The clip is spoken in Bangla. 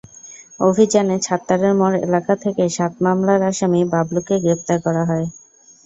অভিযানে ছাত্তারের মোড় এলাকা থেকে সাত মামলার আসামি বাবলুকে গ্রেপ্তার করা হয়।